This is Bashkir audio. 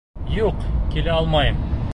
Юҡ, килә алмайым.